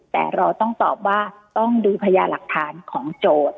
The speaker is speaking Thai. แต่เราต้องตอบว่าต้องดูพญาหลักฐานของโจทย์